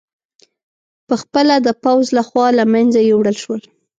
په خپله د پوځ له خوا له منځه یووړل شول